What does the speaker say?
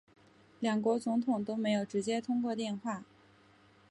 两国总统都没有直接通过电话